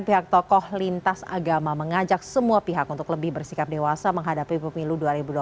pihak tokoh lintas agama mengajak semua pihak untuk lebih bersikap dewasa menghadapi pemilu dua ribu dua puluh empat